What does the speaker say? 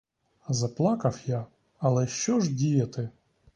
Заплакав я, але що ж діяти?